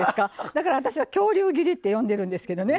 だから私は「恐竜切り」って呼んでるんですけどね。